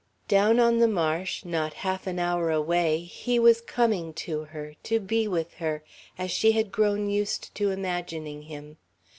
Down on the marsh, not half an hour away, he was coming to her, to be with her, as she had grown used to imagining him.